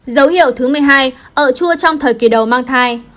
dấu hiệu thứ một mươi hai ở chua trong thời kỳ đầu mang thai